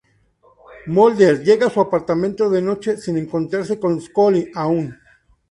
Mulder llega a su apartamento de noche, sin encontrarse con Scully aún.